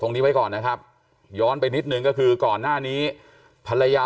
ไว้ก่อนนะครับย้อนไปนิดนึงก็คือก่อนหน้านี้ภรรยา